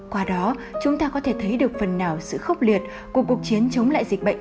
qua đó chúng ta có thể thấy được phần nào sự khốc liệt của cuộc chiến chống lại dịch bệnh